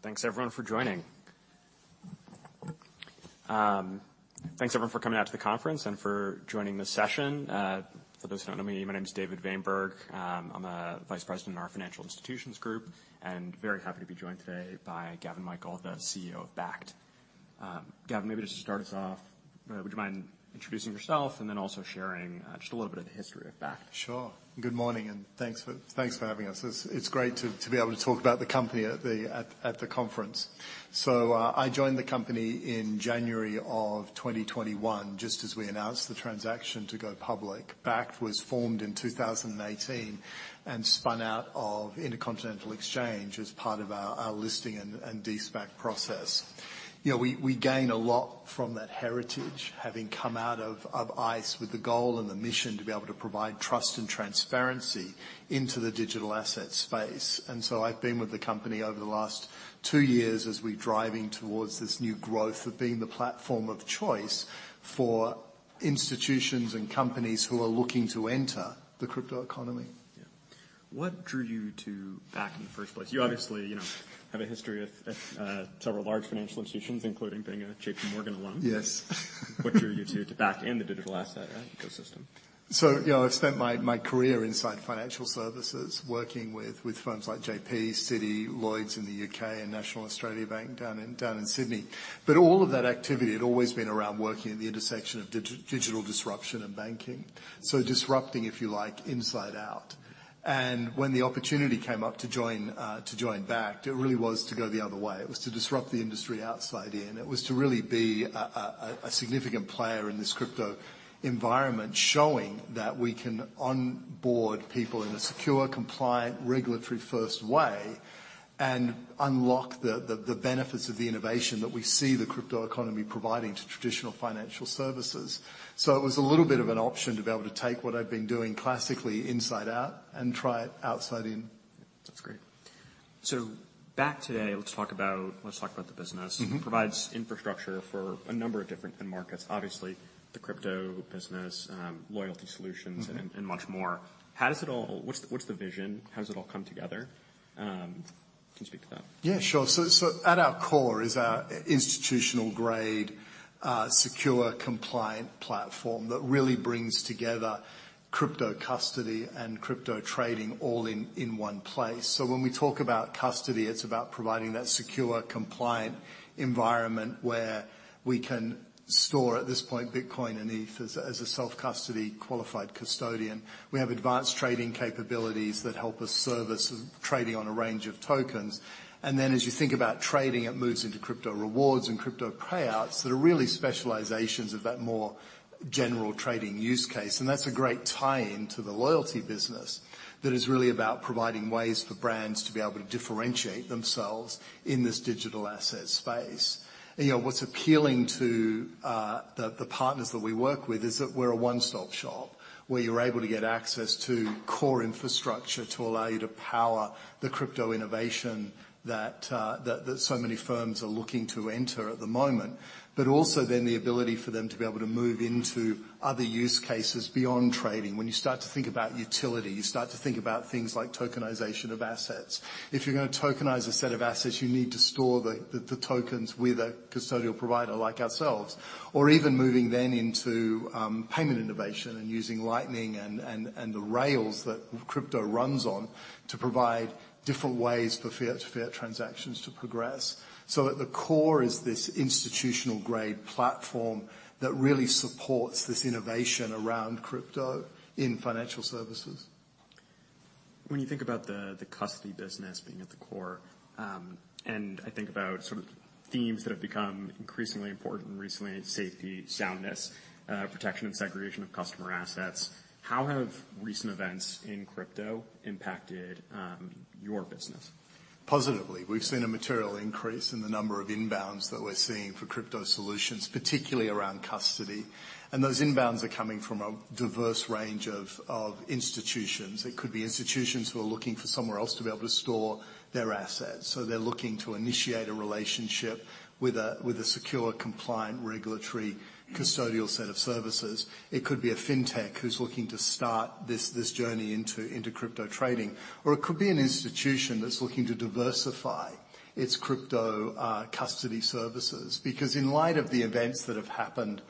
Thanks everyone for joining. Thanks everyone for coming out to the conference and for joining this session. For those who don't know me, my name is David Vaynberg. I'm a vice president in our financial institutions group, and very happy to be joined today by Gavin Michael, the CEO of Bakkt. Gavin, maybe just to start us off, would you mind introducing yourself and then also sharing, just a little bit of the history of Bakkt? Sure. Good morning, thanks for having us. It's great to be able to talk about the company at the conference. I joined the company in January of 2021, just as we announced the transaction to go public. Bakkt was formed in 2018 and spun out of Intercontinental Exchange as part of our listing and de-SPAC process. You know, we gain a lot from that heritage, having come out of ICE with the goal and the mission to be able to provide trust and transparency into the digital asset space. I've been with the company over the last two years as we're driving towards this new growth of being the platform of choice for institutions and companies who are looking to enter the crypto economy. Yeah. What drew you to Bakkt in the first place? You obviously, you know, have a history of several large financial institutions, including being a JPMorgan alum. Yes. What drew you to Bakkt and the digital asset ecosystem? You know, I've spent my career inside financial services working with firms like J.P., Citi, Lloyds in the U.K., and National Australia Bank down in Sydney. All of that activity had always been around working at the intersection of digital disruption and banking. Disrupting, if you like, inside out. When the opportunity came up to join, to join Bakkt, it really was to go the other way. It was to disrupt the industry outside in. It was to really be a significant player in this crypto environment, showing that we can onboard people in a secure, compliant, regulatory-first way and unlock the benefits of the innovation that we see the crypto economy providing to traditional financial services. It was a little bit of an option to be able to take what I've been doing classically inside out and try it outside in. That's great. Bakkt today, let's talk about the business. Mm-hmm. Provides infrastructure for a number of different end markets. Obviously, the crypto business, loyalty solutions. Mm-hmm... and much more. What's the vision? How does it all come together? Can you speak to that? Yeah, sure. At our core is our institutional grade, secure compliant platform that really brings together crypto custody and crypto trading all in one place. When we talk about custody, it's about providing that secure, compliant environment where we can store, at this point, Bitcoin and ETH as a self-custody qualified custodian. We have advanced trading capabilities that help us service trading on a range of tokens. Then as you think about trading, it moves into crypto rewards and crypto payouts that are really specializations of that more general trading use case. That's a great tie-in to the loyalty business that is really about providing ways for brands to be able to differentiate themselves in this digital asset space. You know, what's appealing to the partners that we work with is that we're a one-stop shop, where you're able to get access to core infrastructure to allow you to power the crypto innovation that so many firms are looking to enter at the moment. Also then the ability for them to be able to move into other use cases beyond trading. You start to think about utility, you start to think about things like tokenization of assets. If you're gonna tokenize a set of assets, you need to store the tokens with a custodial provider like ourselves, or even moving then into payment innovation and using Lightning and the rails that crypto runs on to provide different ways for fiat to fiat transactions to progress. At the core is this institutional-grade platform that really supports this innovation around crypto in financial services. When you think about the custody business being at the core, and I think about sort of themes that have become increasingly important recently, safety, soundness, protection and segregation of customer assets, how have recent events in crypto impacted, your business? Positively. We've seen a material increase in the number of inbounds that we're seeing for crypto solutions, particularly around custody. Those inbounds are coming from a diverse range of institutions. It could be institutions who are looking for somewhere else to be able to store their assets, so they're looking to initiate a relationship with a secure, compliant regulatory custodial set of services. It could be a fintech who's looking to start this journey into crypto trading. It could be an institution that's looking to diversify its crypto custody services. In light of the events that have happened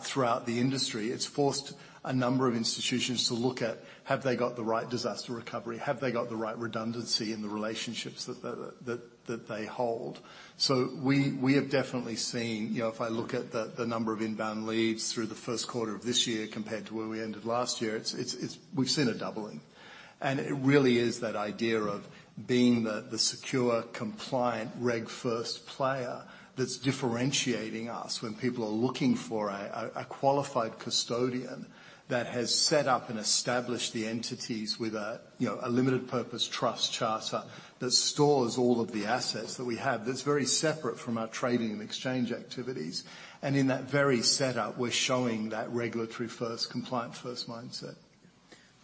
throughout the industry, it's forced a number of institutions to look at have they got the right disaster recovery, have they got the right redundancy in the relationships that they hold. We have definitely seen... You know, if I look at the number of inbound leads through the first quarter of this year compared to where we ended last year, we've seen a doubling. It really is that idea of being the secure, compliant, reg-first player that's differentiating us when people are looking for a qualified custodian that has set up and established the entities with, you know, a limited purpose trust charter that stores all of the assets that we have, that's very separate from our trading and exchange activities. In that very setup, we're showing that regulatory-first, compliant-first mindset.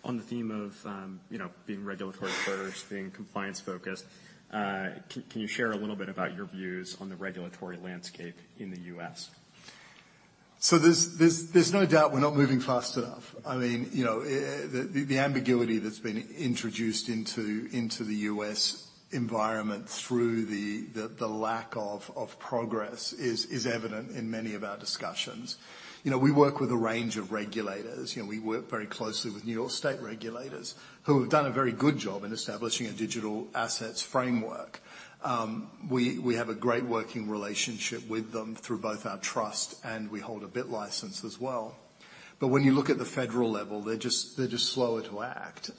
On the theme of, you know, being regulatory first, being compliance-focused, can you share a little bit about your views on the regulatory landscape in the U.S.? There's no doubt we're not moving fast enough. I mean, you know, the ambiguity that's been introduced into the U.S. environment through the lack of progress is evident in many of our discussions. You know, we work with a range of regulators. You know, we work very closely with New York State regulators, who have done a very good job in establishing a digital assets framework. We have a great working relationship with them through both our trust, and we hold a BitLicense as well. When you look at the federal level, they're just slower to act.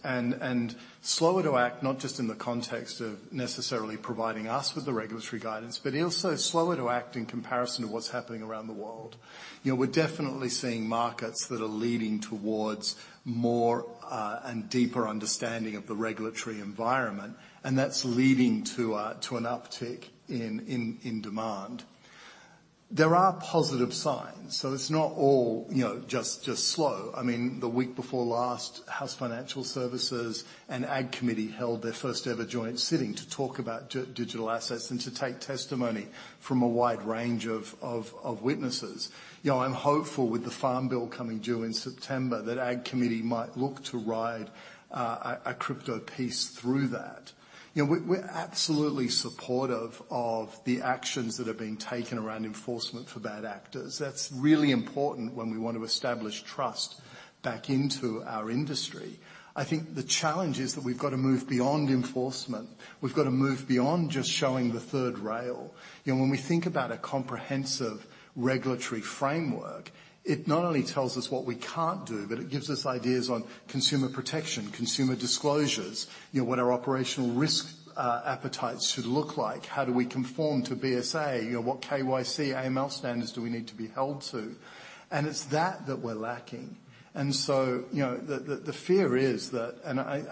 Slower to act not just in the context of necessarily providing us with the regulatory guidance, but also slower to act in comparison to what's happening around the world. You know, we're definitely seeing markets that are leading towards more and deeper understanding of the regulatory environment, and that's leading to an uptick in demand. There are positive signs, so it's not all, you know, just slow. I mean, the week before last, House Financial Services and Ag Committee held their first ever joint sitting to talk about digital assets and to take testimony from a wide range of witnesses. You know, I'm hopeful with the Farm Bill coming due in September that Ag Committee might look to ride a crypto piece through that. You know, we're absolutely supportive of the actions that are being taken around enforcement for bad actors. That's really important when we want to establish trust back into our industry. I think the challenge is that we've got to move beyond enforcement. We've got to move beyond just showing the third rail. You know, when we think about a comprehensive regulatory framework, it not only tells us what we can't do, but it gives us ideas on consumer protection, consumer disclosures. You know, what our operational risk appetite should look like. How do we conform to BSA? You know, what KYC, AML standards do we need to be held to? It's that that we're lacking. You know, the fear is that,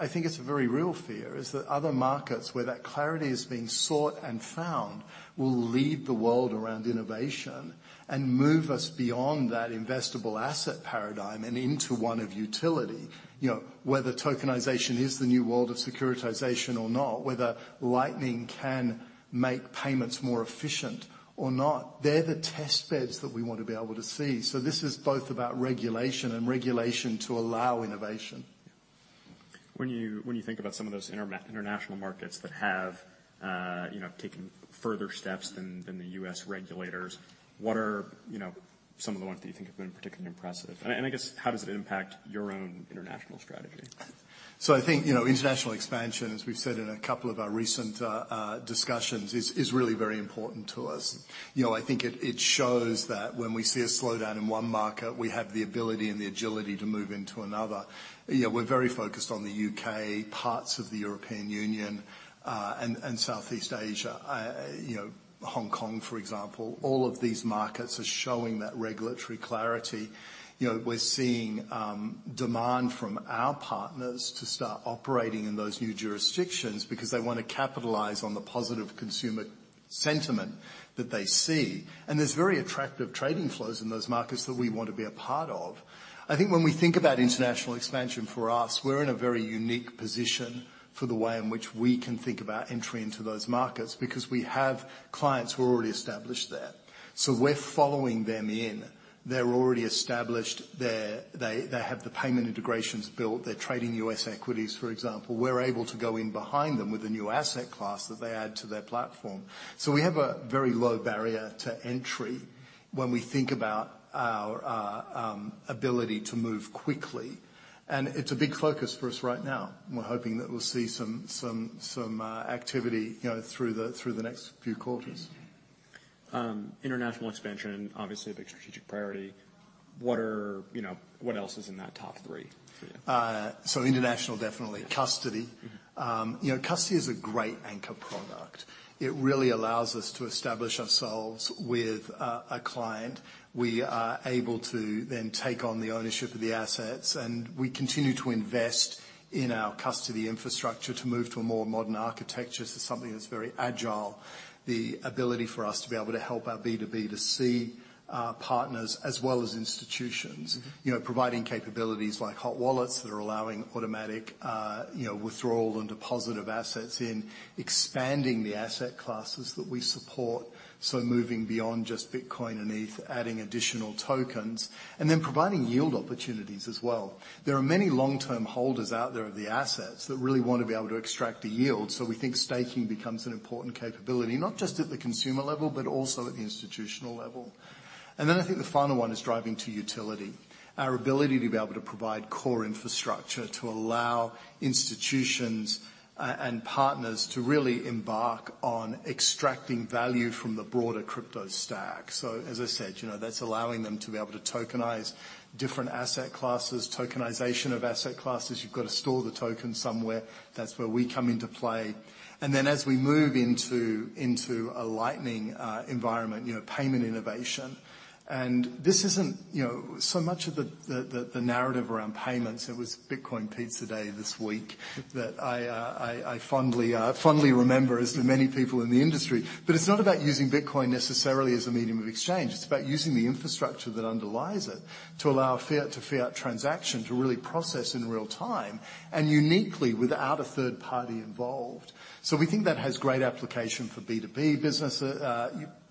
I think it's a very real fear, is that other markets where that clarity is being sought and found will lead the world around innovation and move us beyond that investable asset paradigm and into one of utility. You know, whether tokenization is the new world of securitization or not, whether Lightning can make payments more efficient or not, they're the test beds that we want to be able to see. This is both about regulation and regulation to allow innovation. When you think about some of those international markets that have, you know, taken further steps than the U.S. regulators, what are, you know, some of the ones that you think have been particularly impressive? I guess, how does it impact your own international strategy? I think, you know, international expansion, as we've said in a couple of our recent discussions, is really very important to us. You know, I think it shows that when we see a slowdown in one market, we have the ability and the agility to move into another. You know, we're very focused on the UK, parts of the European Union, and Southeast Asia. You know, Hong Kong, for example. All of these markets are showing that regulatory clarity. You know, we're seeing demand from our partners to start operating in those new jurisdictions because they wanna capitalize on the positive consumer sentiment that they see. And there's very attractive trading flows in those markets that we want to be a part of. I think when we think about international expansion for us, we're in a very unique position for the way in which we can think about entry into those markets, because we have clients who are already established there. We're following them in. They're already established there. They have the payment integrations built. They're trading U.S. equities, for example. We're able to go in behind them with a new asset class that they add to their platform. We have a very low barrier to entry when we think about our ability to move quickly. It's a big focus for us right now. We're hoping that we'll see some activity, you know, through the next few quarters. International expansion, obviously a big strategic priority. What are, you know, what else is in that top three for you? International, definitely. Yes. Custody. Mm-hmm. You know, custody is a great anchor product. It really allows us to establish ourselves with a client. We are able to then take on the ownership of the assets, and we continue to invest in our custody infrastructure to move to a more modern architecture. Something that's very agile. The ability for us to be able to help our B2B2C partners as well as institutions. You know, providing capabilities like hot wallets that are allowing automatic, you know, withdrawal and deposit of assets in expanding the asset classes that we support, so moving beyond just Bitcoin and ETH, adding additional tokens, and then providing yield opportunities as well. There are many long-term holders out there of the assets that really wanna be able to extract the yield, so we think staking becomes an important capability, not just at the consumer level, but also at the institutional level. I think the final one is driving to utility. Our ability to be able to provide core infrastructure to allow institutions and partners to really embark on extracting value from the broader crypto stack. As I said, you know, that's allowing them to be able to tokenize different asset classes, tokenization of asset classes. You've got to store the token somewhere. That's where we come into play. As we move into a Lightning environment, you know, payment innovation, this isn't, you know, so much of the narrative around payments, it was Bitcoin Pizza Day this week that I fondly remember as do many people in the industry. It's not about using Bitcoin necessarily as a medium of exchange, it's about using the infrastructure that underlies it to allow fiat to fiat transaction to really process in real time and uniquely without a third party involved. We think that has great application for B2B business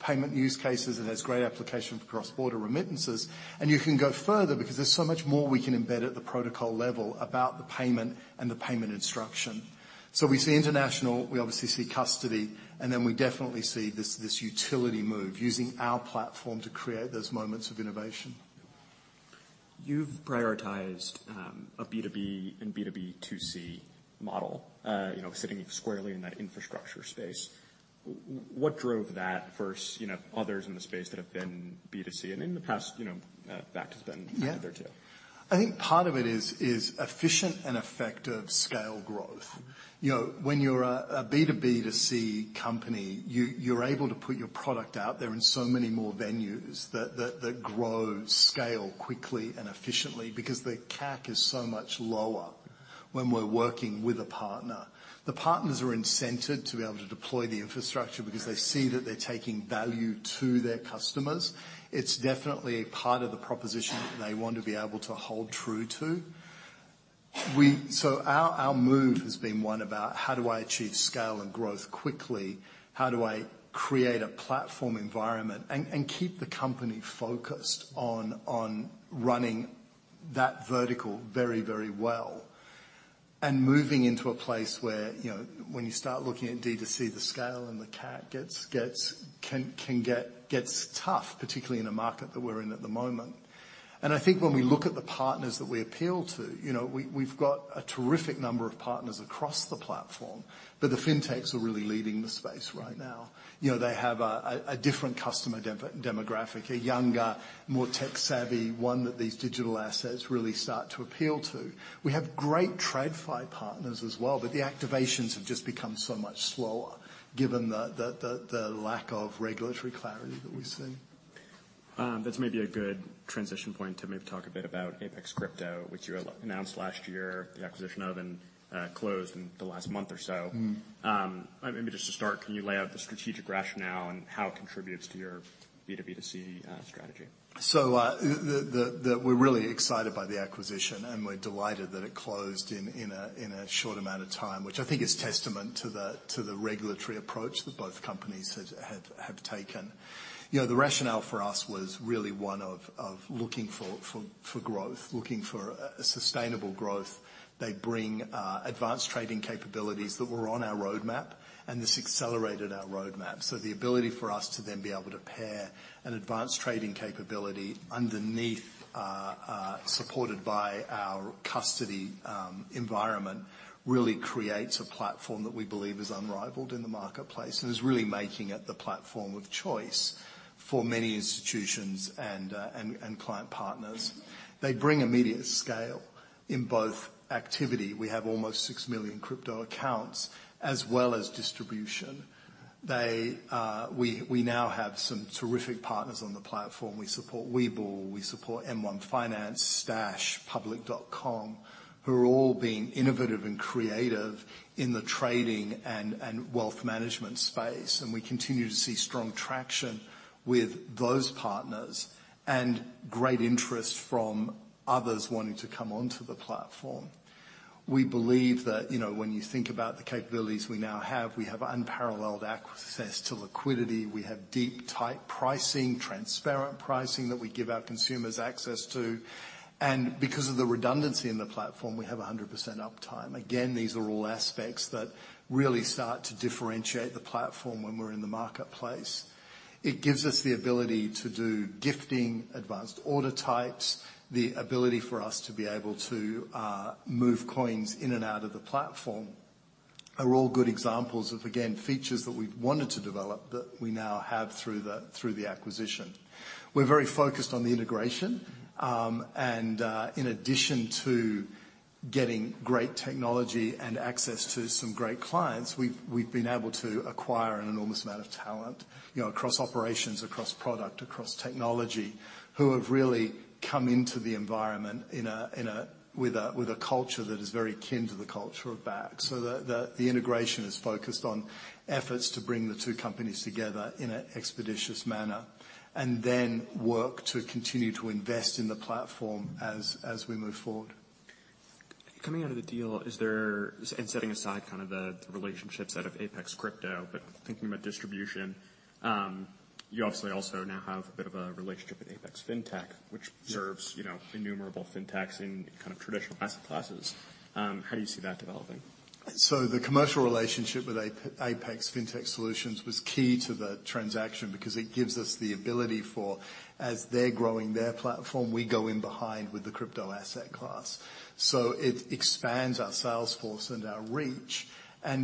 payment use cases. It has great application for cross-border remittances. You can go further because there's so much more we can embed at the protocol level about the payment and the payment instruction. We see international, we obviously see custody, and then we definitely see this utility move, using our platform to create those moments of innovation. You've prioritized a B2B and B2B2C model, you know, sitting squarely in that infrastructure space. What drove that versus, you know, others in the space that have been B2C? In the past, you know, that has been out there too. I think part of it is efficient and effective scale growth. You know, when you're a B2B2C company, you're able to put your product out there in so many more venues that grow, scale quickly and efficiently because the CAC is so much lower when we're working with a partner. The partners are incented to be able to deploy the infrastructure because they see that they're taking value to their customers. It's definitely part of the proposition that they want to be able to hold true to. Our move has been one about how do I achieve scale and growth quickly? How do I create a platform environment and keep the company focused on running that vertical very, very well? Moving into a place where, you know, when you start looking at D2C, the scale and the CAC gets tough, particularly in the market that we're in at the moment. I think when we look at the partners that we appeal to, you know, we've got a terrific number of partners across the platform, but the fintechs are really leading the space right now. You know, they have a different customer demographic, a younger, more tech-savvy one that these digital assets really start to appeal to. We have great TradFi partners as well, but the activations have just become so much slower given the lack of regulatory clarity that we've seen. That's maybe a good transition point to maybe talk a bit about Apex Crypto, which you announced last year, the acquisition of and closed in the last month or so. Mm-hmm. Maybe just to start, can you lay out the strategic rationale and how it contributes to your B2B2C strategy? We're really excited by the acquisition, and we're delighted that it closed in a short amount of time, which I think is testament to the regulatory approach that both companies have taken. You know, the rationale for us was really one of looking for growth, looking for a sustainable growth. They bring advanced trading capabilities that were on our roadmap, and this accelerated our roadmap. The ability for us to then be able to pair an advanced trading capability underneath supported by our custody environment really creates a platform that we believe is unrivaled in the marketplace and is really making it the platform of choice for many institutions and client partners. They bring immediate scale in both activity, we have almost six million crypto accounts, as well as distribution. They, we now have some terrific partners on the platform. We support Webull, we support M1 Finance, Stash, Public.com, who are all being innovative and creative in the trading and wealth management space. We continue to see strong traction with those partners and great interest from others wanting to come onto the platform. We believe that, you know, when you think about the capabilities we now have, we have unparalleled access to liquidity, we have deep, tight pricing, transparent pricing that we give our consumers access to. Because of the redundancy in the platform, we have 100% uptime. These are all aspects that really start to differentiate the platform when we're in the marketplace. It gives us the ability to do gifting, advanced order types. The ability for us to be able to move coins in and out of the platform are all good examples of, again, features that we've wanted to develop that we now have through the acquisition. We're very focused on the integration. And, in addition to getting great technology and access to some great clients, we've been able to acquire an enormous amount of talent, you know, across operations, across product, across technology, who have really come into the environment in a, with a culture that is very akin to the culture of Bakkt. The integration is focused on efforts to bring the two companies together in an expeditious manner, and then work to continue to invest in the platform as we move forward. Coming out of the deal, setting aside kind of the relationships out of Apex Crypto, but thinking about distribution, you obviously also now have a bit of a relationship with Apex Fintech. Yeah... which serves, you know, innumerable fintechs in kind of traditional asset classes. How do you see that developing? The commercial relationship with Apex Fintech Solutions was key to the transaction because it gives us the ability for, as they're growing their platform, we go in behind with the crypto asset class. It expands our sales force and our reach.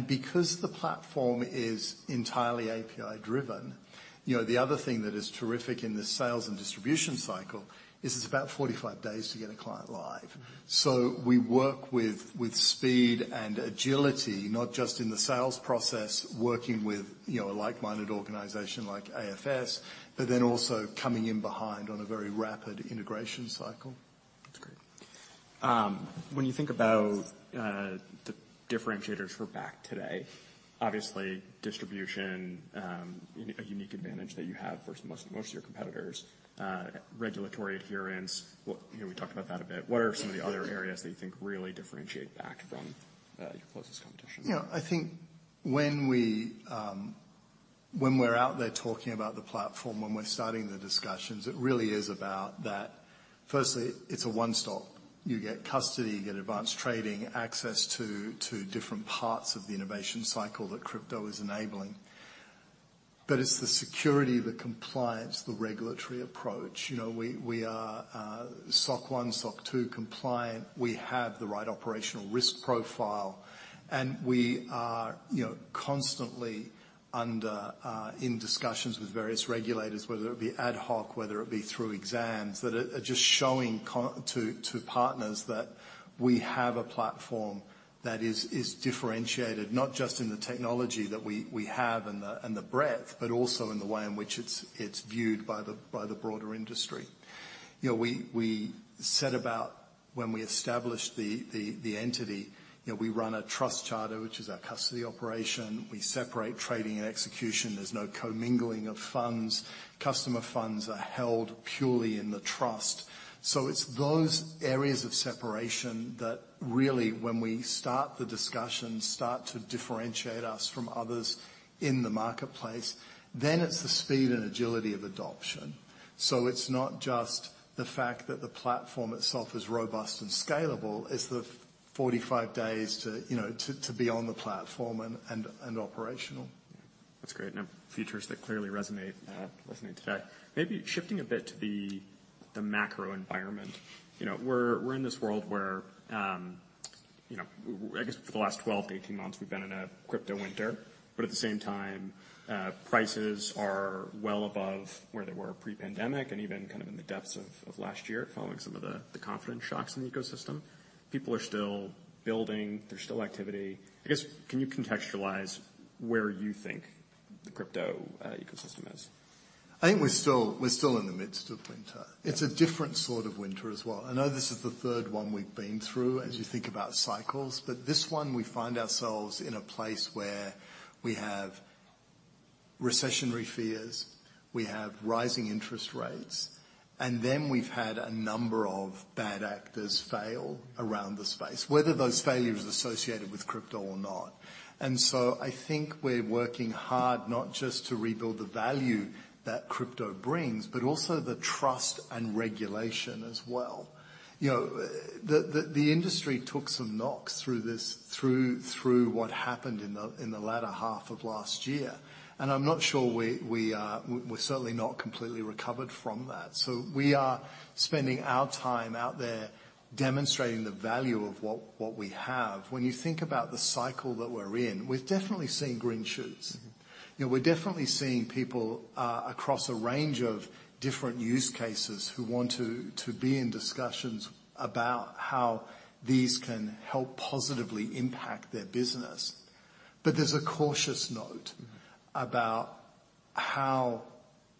Because the platform is entirely API-driven, you know, the other thing that is terrific in the sales and distribution cycle is it's about 45 days to get a client live. We work with speed and agility, not just in the sales process, working with, you know, a like-minded organization like AFS, but then also coming in behind on a very rapid integration cycle. That's great. When you think about the differentiators for Bakkt today, obviously distribution, a unique advantage that you have versus most of your competitors, regulatory adherence. You know, we talked about that a bit. What are some of the other areas that you think really differentiate Bakkt from your closest competition? Yeah. I think when we, when we're out there talking about the platform, when we're starting the discussions, it really is about that. Firstly, it's a one-stop. You get custody, you get advanced trading, access to different parts of the innovation cycle that crypto is enabling. It's the security, the compliance, the regulatory approach. You know, we are SOC 1, SOC 2 compliant. We have the right operational risk profile, and we are, you know, constantly under in discussions with various regulators, whether it be ad hoc, whether it be through exams, that are just showing to partners that we have a platform that is differentiated, not just in the technology that we have and the breadth, but also in the way in which it's viewed by the broader industry. You know, we set about when we established the entity. You know, we run a trust charter, which is our custody operation. We separate trading and execution. There's no commingling of funds. Customer funds are held purely in the trust. It's those areas of separation that really, when we start the discussion, start to differentiate us from others in the marketplace. It's the speed and agility of adoption. It's not just the fact that the platform itself is robust and scalable, it's the 45 days to, you know, to be on the platform and operational. That's great. Features that clearly resonate, listening today. Maybe shifting a bit to the macro environment. You know, we're in this world where, you know, I guess for the last 12 to 18 months, we've been in a crypto winter, but at the same time, prices are well above where they were pre-pandemic and even kind of in the depths of last year, following some of the confidence shocks in the ecosystem. People are still building. There's still activity. I guess, can you contextualize where you think the crypto ecosystem is? I think we're still in the midst of winter. Yeah. It's a different sort of winter as well. I know this is the third one we've been through, as you think about cycles, this one we find ourselves in a place where we have recessionary fears, we have rising interest rates, and then we've had a number of bad actors fail around the space, whether those failures associated with crypto or not. I think we're working hard not just to rebuild the value that crypto brings, but also the trust and regulation as well. You know, the industry took some knocks through this, through what happened in the latter half of last year, I'm not sure we're certainly not completely recovered from that. We are spending our time out there demonstrating the value of what we have. When you think about the cycle that we're in, we're definitely seeing green shoots. Mm-hmm. You know, we're definitely seeing people across a range of different use cases who want to be in discussions about how these can help positively impact their business. There's a cautious note. Mm-hmm... about how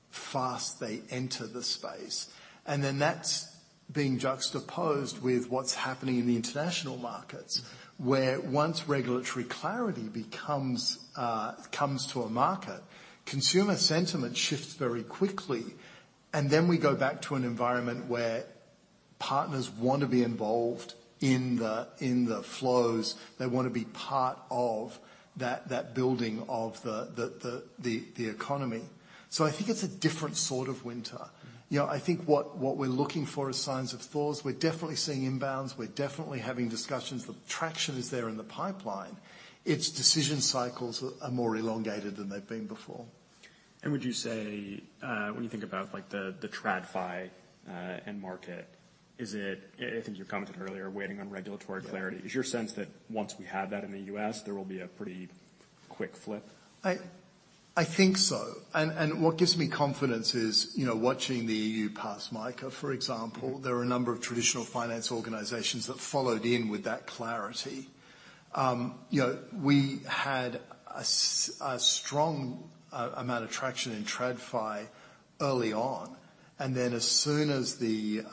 fast they enter the space. That's being juxtaposed with what's happening in the international markets, where once regulatory clarity becomes, comes to a market, consumer sentiment shifts very quickly. We go back to an environment where partners want to be involved in the, in the flows. They wanna be part of that building of the economy. I think it's a different sort of winter. Mm-hmm. You know, I think what we're looking for is signs of thaws. We're definitely seeing inbounds. We're definitely having discussions. The traction is there in the pipeline. It's decision cycles are more elongated than they've been before. Would you say, when you think about like the TradFi end market, I think you commented earlier, waiting on regulatory clarity. Yeah. Is your sense that once we have that in the U.S., there will be a pretty quick flip? I think so. What gives me confidence is, you know, watching the EU pass MiCA, for example. Mm-hmm. There are a number of traditional finance organizations that followed in with that clarity. You know, we had a strong amount of traction in TradFi early on, and then as soon as the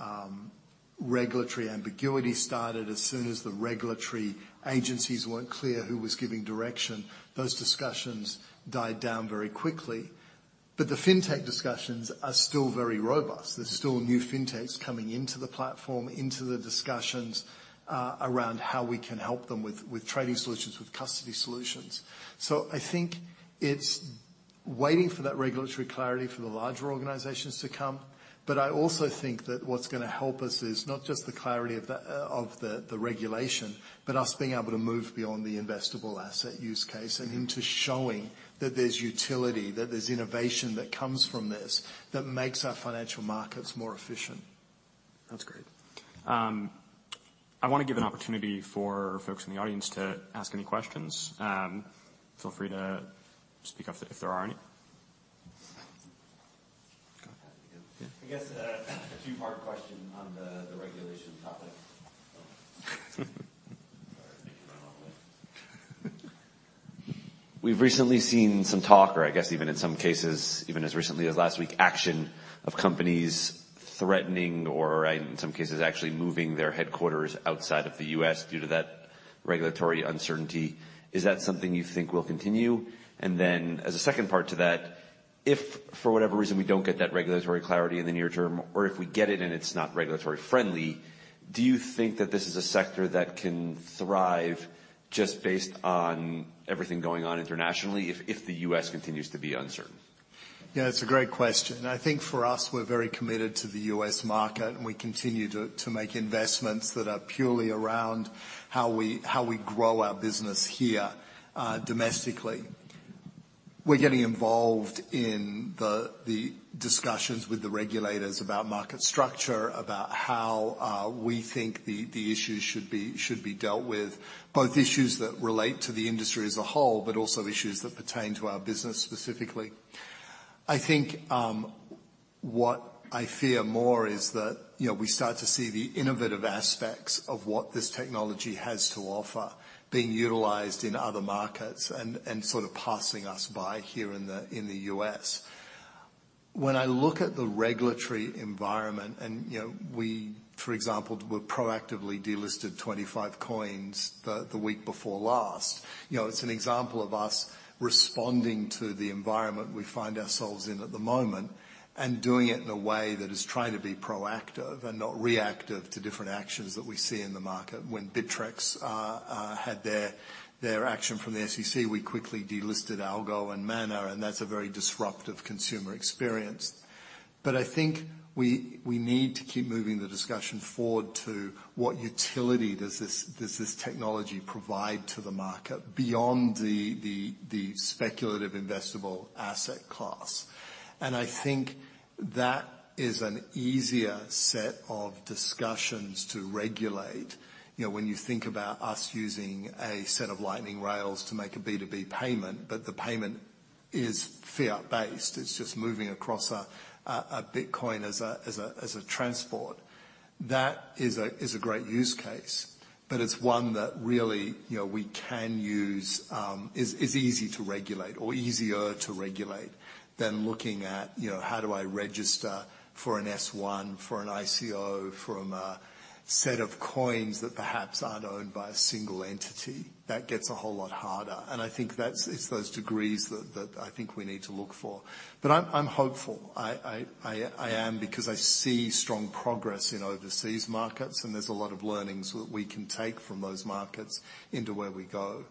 regulatory ambiguity started, as soon as the regulatory agencies weren't clear who was giving direction, those discussions died down very quickly. The fintech discussions are still very robust. Mm-hmm. There's still new fintechs coming into the platform, into the discussions around how we can help them with trading solutions, with custody solutions. I think it's waiting for that regulatory clarity for the larger organizations to come. I also think that what's gonna help us is not just the clarity of the regulation, but us being able to move beyond the investable asset use case... Mm-hmm... and into showing that there's utility, that there's innovation that comes from this that makes our financial markets more efficient. That's great. I wanna give an opportunity for folks in the audience to ask any questions. Feel free to speak up if there are any. Go ahead. I guess a two-part question on the regulation topic. Sorry to make you run all the way. We've recently seen some talk, or I guess even in some cases, even as recently as last week, action of companies threatening or in some cases actually moving their headquarters outside of the U.S. due to that regulatory uncertainty. Is that something you think will continue? As a second part to that, if for whatever reason we don't get that regulatory clarity in the near term, or if we get it and it's not regulatory friendly, do you think that this is a sector that can thrive just based on everything going on internationally if the U.S. continues to be uncertain? Yeah, it's a great question. I think for us, we're very committed to the U.S. market, and we continue to make investments that are purely around how we, how we grow our business here, domestically. We're getting involved in the discussions with the regulators about market structure, about how we think the issues should be, should be dealt with, both issues that relate to the industry as a whole, but also issues that pertain to our business specifically. I think, what I fear more is that, you know, we start to see the innovative aspects of what this technology has to offer being utilized in other markets and sort of passing us by here in the, in the U.S. When I look at the regulatory environment and, you know, we, for example, we proactively delisted 25 coins the week before last. You know, it's an example of us responding to the environment we find ourselves in at the moment and doing it in a way that is trying to be proactive and not reactive to different actions that we see in the market. When Bittrex had their action from the SEC, we quickly delisted ALGO and MANA. That's a very disruptive consumer experience. I think we need to keep moving the discussion forward to what utility does this technology provide to the market beyond the speculative investable asset class. I think that is an easier set of discussions to regulate. You know, when you think about us using a set of Lightning rails to make a B2B payment, the payment is fiat-based. It's just moving across a Bitcoin as a transport. That is a great use case, but it's one that really, you know, we can use. Is easy to regulate or easier to regulate than looking at, you know, how do I register for an S-1, for an ICO, from a set of coins that perhaps aren't owned by a single entity. That gets a whole lot harder. I think that's it's those degrees that I think we need to look for. I'm hopeful. I am because I see strong progress in overseas markets. There's a lot of learnings that we can take from those markets into where we go.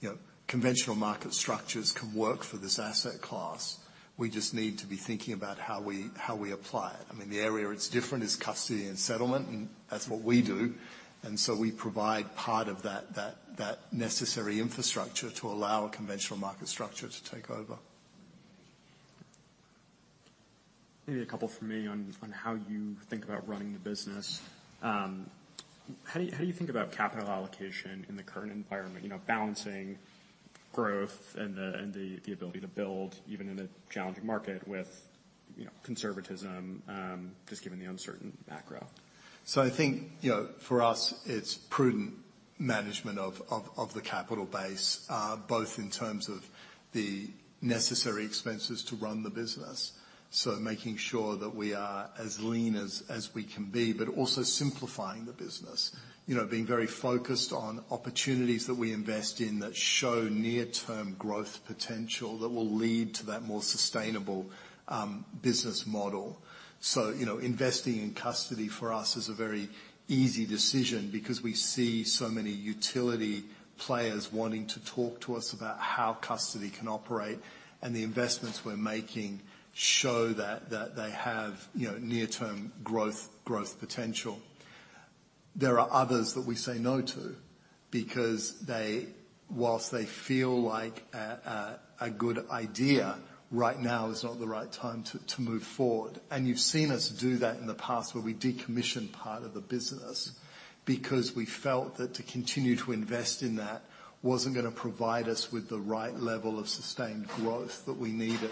You know, conventional market structures can work for this asset class. We just need to be thinking about how we, how we apply it. I mean, the area where it's different is custody and settlement, and that's what we do. We provide part of that necessary infrastructure to allow a conventional market structure to take over. Maybe a couple from me on how you think about running the business. How do you think about capital allocation in the current environment? You know, balancing growth and the ability to build even in a challenging market with, you know, conservatism, just given the uncertain macro. I think, you know, for us, it's prudent management of the capital base, both in terms of the necessary expenses to run the business, so making sure that we are as lean as we can be, but also simplifying the business. You know, being very focused on opportunities that we invest in that show near-term growth potential that will lead to that more sustainable business model. You know, investing in custody for us is a very easy decision because we see so many utility players wanting to talk to us about how custody can operate, and the investments we're making show that they have, you know, near-term growth potential. There are others that we say no to because whilst they feel like a good idea, right now is not the right time to move forward. You've seen us do that in the past, where we decommissioned part of the business because we felt that to continue to invest in that wasn't gonna provide us with the right level of sustained growth that we needed.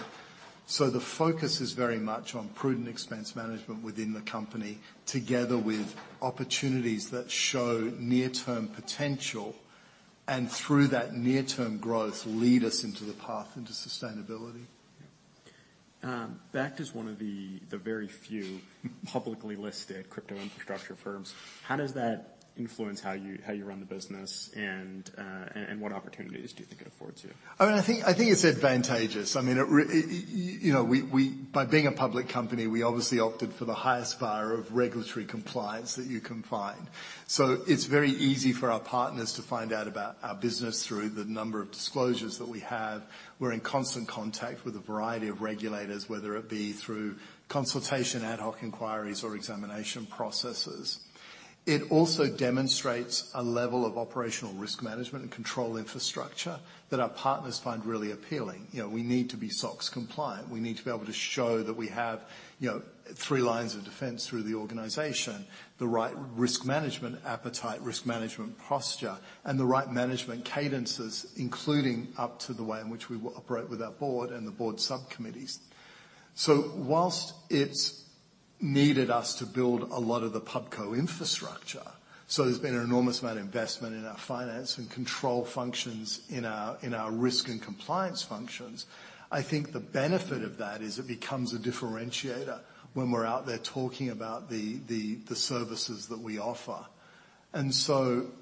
The focus is very much on prudent expense management within the company, together with opportunities that show near-term potential, and through that near-term growth, lead us into the path into sustainability. Bakkt is one of the very few publicly listed crypto infrastructure firms. How does that influence how you run the business and what opportunities do you think it affords you? I mean, I think it's advantageous. I mean, you know, by being a public company, we obviously opted for the highest bar of regulatory compliance that you can find. It's very easy for our partners to find out about our business through the number of disclosures that we have. We're in constant contact with a variety of regulators, whether it be through consultation, ad hoc inquiries, or examination processes. It also demonstrates a level of operational risk management and control infrastructure that our partners find really appealing. You know, we need to be SOX compliant. We need to be able to show that we have, you know, three lines of defense through the organization, the right risk management appetite, risk management posture, and the right management cadences, including up to the way in which we operate with our board and the board subcommittees. Whilst it's needed us to build a lot of the pubco infrastructure, so there's been an enormous amount of investment in our finance and control functions, in our risk and compliance functions. I think the benefit of that is it becomes a differentiator when we're out there talking about the services that we offer.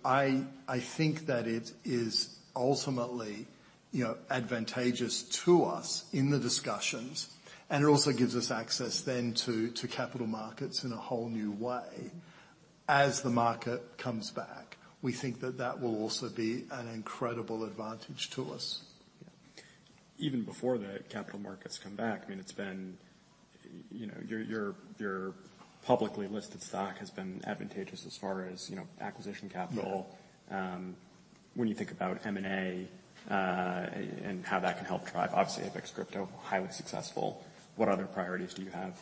I think that it is ultimately, you know, advantageous to us in the discussions, and it also gives us access then to capital markets in a whole new way. As the market comes back, we think that that will also be an incredible advantage to us. Even before the capital markets come back, I mean, it's been, you know, your publicly listed stock has been advantageous as far as, you know, acquisition capital. Yeah. When you think about M&A, and how that can help drive, obviously, Apex Crypto, highly successful. What other priorities do you have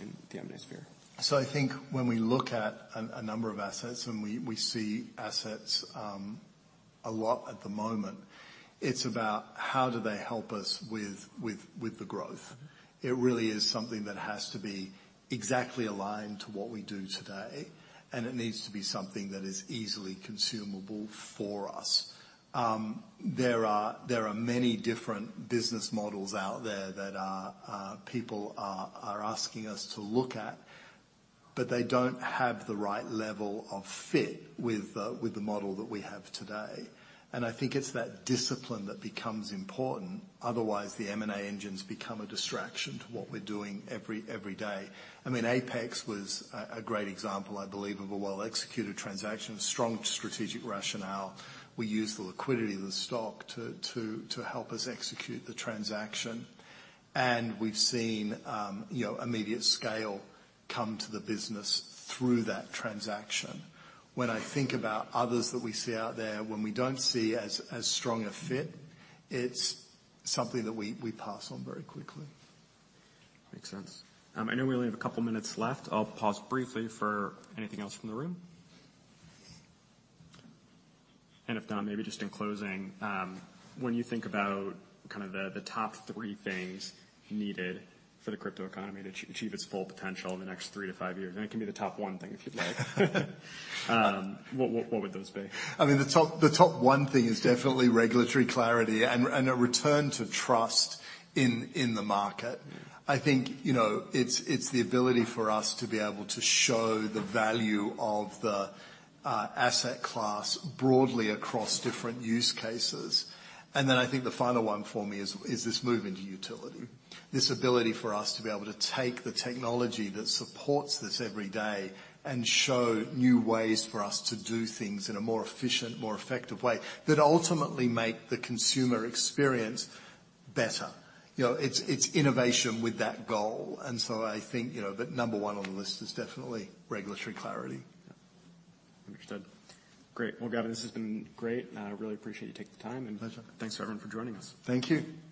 in the M&A sphere? I think when we look at a number of assets, and we see assets, a lot at the moment, it's about how do they help us with the growth. It really is something that has to be exactly aligned to what we do today, and it needs to be something that is easily consumable for us. There are many different business models out there that people are asking us to look at, but they don't have the right level of fit with the model that we have today. I think it's that discipline that becomes important, otherwise the M&A engines become a distraction to what we're doing every day. I mean, Apex was a great example, I believe, of a well-executed transaction, strong strategic rationale. We used the liquidity of the stock to help us execute the transaction. We've seen, you know, immediate scale come to the business through that transaction. When I think about others that we see out there, when we don't see as strong a fit, it's something that we pass on very quickly. Makes sense. I know we only have a couple minutes left. I'll pause briefly for anything else from the room. If not, maybe just in closing, when you think about kind of the top three things needed for the crypto economy to achieve its full potential in the next three to five years, and it can be the top one thing if you'd like. What, what would those be? I mean, the top one thing is definitely regulatory clarity and a return to trust in the market. I think, you know, it's the ability for us to be able to show the value of the asset class broadly across different use cases. I think the final one for me is this move into utility. This ability for us to be able to take the technology that supports this every day and show new ways for us to do things in a more efficient, more effective way that ultimately make the consumer experience better. You know, it's innovation with that goal. I think, you know, the number one on the list is definitely regulatory clarity. Understood. Great. Well, Gavin, this has been great. I really appreciate you taking the time. My pleasure. Thanks everyone for joining us. Thank you.